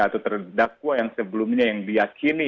atau terdakwa yang sebelumnya yang diakini